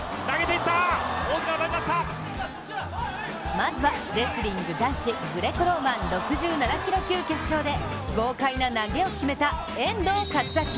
まずは、レスリング男子グレコローマン６７キロ級決勝で豪快な投げを決めた遠藤功章。